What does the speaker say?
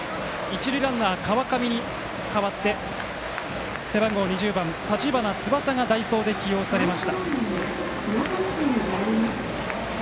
一塁ランナー、川上に代わって背番号２０番、立花翼が代走で起用されました。